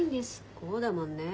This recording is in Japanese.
こうだもんねえ。